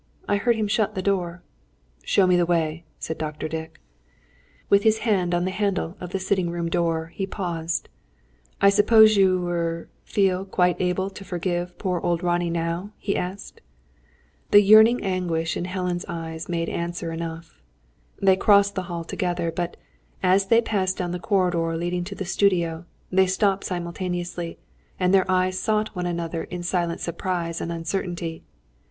I heard him shut the door." "Show me the way," said Dr. Dick. With his hand on the handle of the sitting room door, he paused. "I suppose you er feel quite able to forgive poor old Ronnie, now?" he asked. The yearning anguish in Helen's eyes made answer enough. They crossed the hall together; but as they passed down the corridor leading to the studio they stopped simultaneously, and their eyes sought one another in silent surprise and uncertainty.